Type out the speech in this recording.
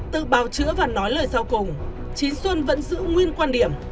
từ bào chữa và nói lời sau cùng chín xuân vẫn giữ nguyên quan điểm